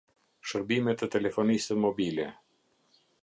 Shërbime të Telefonisë Mobile